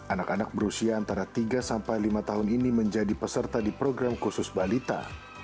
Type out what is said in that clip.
anak anak berusia antara tiga sampai lima tahun ini menjadi peserta di program khusus balita